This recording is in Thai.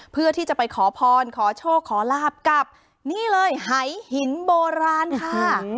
เพื่อที่จะไปขอพรขอโชคขอลาบกับนี่เลยหายหินโบราณค่ะ